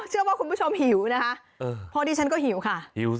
เชื่อว่าคุณผู้ชมหิวนะคะพอดีฉันก็หิวค่ะหิว